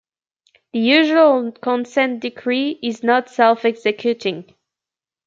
The usual consent decree is not self-executing.